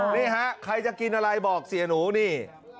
นี่ฮะใครจะกินอะไรบอกเสียหนูนี่